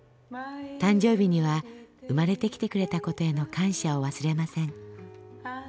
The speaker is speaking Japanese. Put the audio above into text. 誕生日には生まれてきてくれた事への感謝を忘れません。